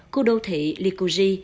khu đô thị likuri